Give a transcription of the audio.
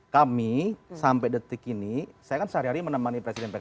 kami sampai detik ini saya kan sehari hari menemani presiden pks